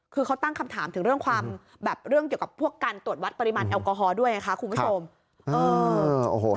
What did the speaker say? เขาตั้งคำถามเรื่องกับเรื่องเกี่ยวกับผ่วงการตรวจวัดปริมาณแอลกอฮอลอย่างเงี่ยคะคุณผู้ชม